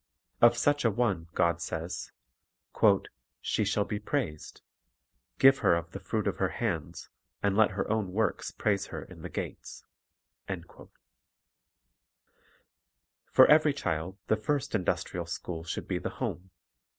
Of such a one, God says: "She shall be praised. Give her of the fruit of her hands; and let her own works praise her in the gates." 3 For every child the first industrial school should be the home.